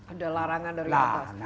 ada larangan dari atas